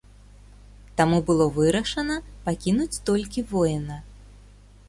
Таму было вырашана пакінуць толькі воіна.